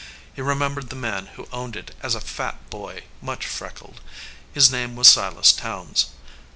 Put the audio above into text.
He remembered the man who owned it as a fat boy, much freckled. His name was Silas Towns.